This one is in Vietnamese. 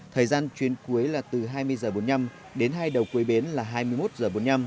thời gian chuyến cuối là từ hai mươi h bốn mươi năm đến hai đầu cuối bến là hai mươi một h bốn mươi năm